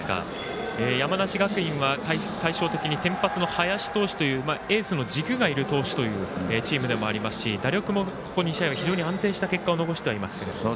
山梨学院は対照的に先発の林投手というエースの軸がいるチームではありますが打力もここ２試合は安定した結果を残しています。